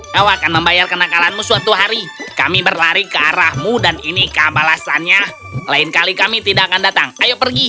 kau akan membayar kenakalanmu suatu hari kami berlari ke arahmu dan ini kebalasannya lain kali kami tidak akan datang ayo pergi